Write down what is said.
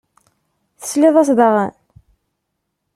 Tesliḍ-as daɣen?